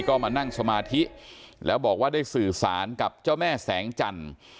ก็มานั่งสมาธิแล้วบอกว่าได้สื่อสารกับเจ้าแม่แสงจันทร์